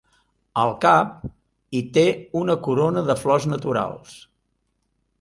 Al cap, hi té una corona de flors naturals.